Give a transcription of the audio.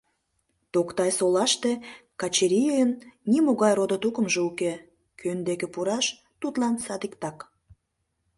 Токтай-Солаште Качырийын нимогай родо-тукымжо уке, кӧн деке пураш, тудлан садиктак.